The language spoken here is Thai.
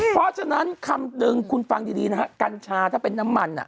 เพราะฉะนั้นคำนึงคุณฟังดีนะฮะกัญชาถ้าเป็นน้ำมัน